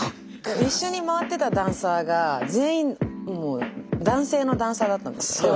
一緒に回ってたダンサーが全員男性のダンサーだったんですよ。